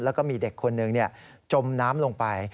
แล้วก็มีเด็กคนหนึ่งจมน้ำลงไป